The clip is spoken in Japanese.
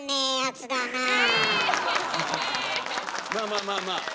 まあまあまあまあ。